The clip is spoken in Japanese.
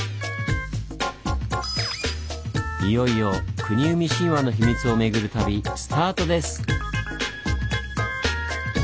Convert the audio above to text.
いよいよ国生み神話の秘密を巡る旅スタートです！